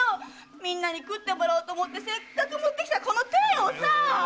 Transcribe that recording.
みんなに食ってもらおうと思って持ってきたこの鯛をさ！